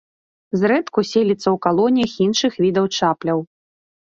Зрэдку селіцца ў калоніях іншых відаў чапляў.